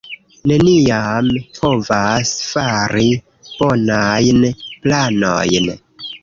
Neniam povas fari bonajn planojn